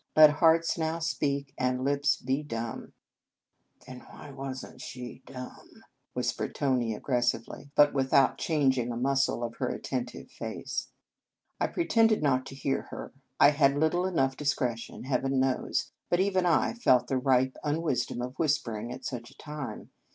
Let hearts now speak, and lips be dumb !"" Then why is n t she dumb ?" whispered Tony aggressively, but 114. Un Conge sans Cloche without changing a muscle of her at tentive face. I pretended not to hear her. I had little enough discretion, Heaven knows, but even I felt the ripe unwis dom of whispering at such a time.